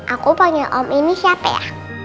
aku panggil om ini siapa ya